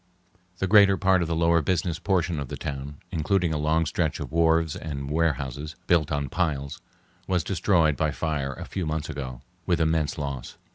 The greater part of the lower business portion of the town, including a long stretch of wharves and warehouses built on piles, was destroyed by fire a few months ago , with immense loss.